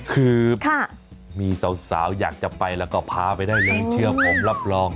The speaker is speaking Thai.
คือมีสาวอยากจะไปแล้วก็พาไปได้หลงเชื่อผมรับรอง